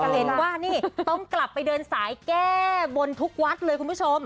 เห็นว่านี่ต้องกลับไปเดินสายแก้บนทุกวัดเลยคุณผู้ชม